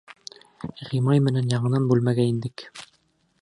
Ғимай менән яңынан бүлмәгә индек.